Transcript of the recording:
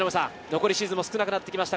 残りシーズンも少なくなってきました。